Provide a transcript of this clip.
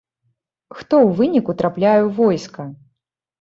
Хто ў выніку трапляе ў войска?